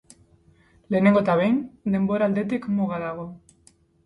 Lehenengo eta behin, denbora aldetik muga dago.